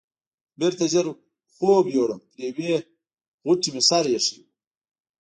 بېرته ژر خوب یووړم، پر یوې غوټې مې سر ایښی و.